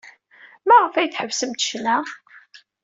Maɣef ay tḥebsemt ccna?